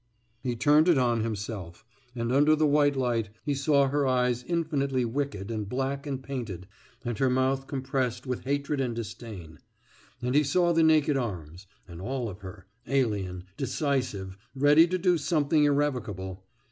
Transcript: « He turned it on himself, and under the white light he saw her eyes infinitely wicked and black and painted, and her mouth compressed with hatred and disdain. And he saw the naked arms, and all of her, alien, decisive, ready to do something irrevocable.